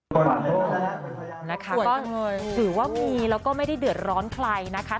สวยจังเฮ้ยสื่อว่ามีแล้วก็ไม่ได้เดือดร้อนใครนะคะ